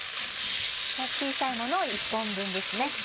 小さいものを１本分ですね。